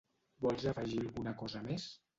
Vols afegir alguna cosa més?